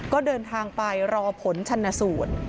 ก็เดินทางไปรอผลชนสูตร